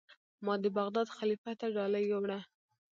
ما د بغداد خلیفه ته ډالۍ یووړه.